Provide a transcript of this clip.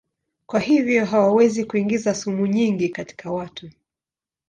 Kwa hivyo hawawezi kuingiza sumu nyingi katika watu.